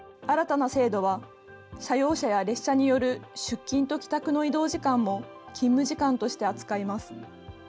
新たな制度は、社用車や列車による出勤と帰宅の移動時間も勤務時間として扱います。